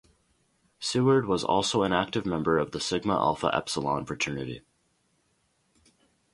Seward was also an active member of the Sigma Alpha Epsilon fraternity.